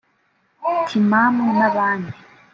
Timamu n’abandi